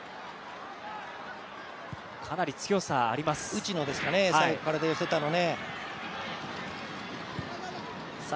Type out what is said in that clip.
内野ですかね、最後、体寄せたのは。